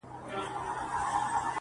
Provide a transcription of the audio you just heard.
نمک خور دي له عمرونو د دبار یم،